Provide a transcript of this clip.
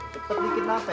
tetep dikit apa ya